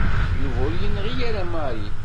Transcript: Yuba ur yenɣi ara Mary.